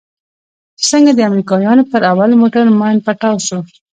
چې څنگه د امريکانو پر اول موټر ماين پټاو سو.